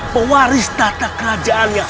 pewaris tata kerajaannya